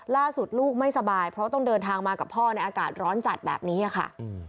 ลูกไม่สบายเพราะต้องเดินทางมากับพ่อในอากาศร้อนจัดแบบนี้ค่ะ